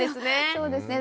そうですね。